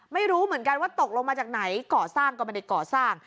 ไม่รู้เหมือนกันว่าตกลงมาจากไหนก่อสร้างก็ไม่ได้ก่อสร้าง